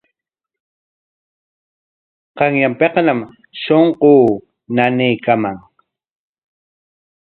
Qanyanpikñam shunquu nanaykaaman.